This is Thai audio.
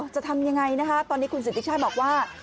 จะทำยังไงนะคะตอนนี้คุณสิทธิชาติบอกว่า